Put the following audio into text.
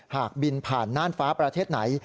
หากบินผ่านน่านฟ้าประเทศไหน